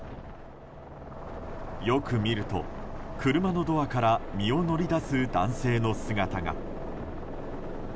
よく見ると、車のドアから身を乗り出す男性の姿が。